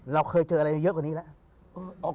เราเคยเจออะไรเยอะกว่านี้แล้ว